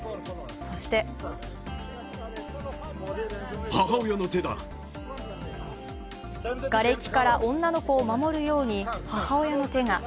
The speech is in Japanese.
そしてがれきから女の子を守るように母親の手が。